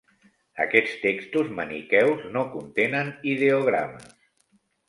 Aquests textos maniqueus no contenen ideogrames.